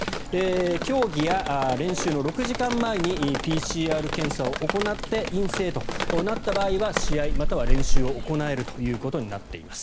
競技や練習の６時間前にＰＣＲ検査を行って陰性となった場合試合、または練習を行えるということになっています。